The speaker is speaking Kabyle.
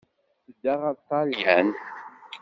Tedda ɣer Ṭṭalyan.